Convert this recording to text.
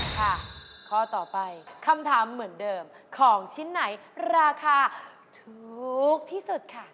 ข้อต่อไปคำถามเหมือนเดิมของชิ้นไหนราคาถูกที่สุดค่ะ